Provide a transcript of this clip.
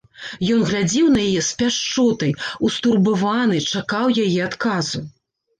Ён глядзеў на яе з пяшчотай, устурбаваны, чакаў яе адказу.